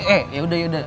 eh yaudah yaudah